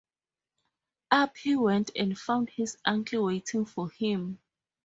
Up he went, and found his uncle waiting for him.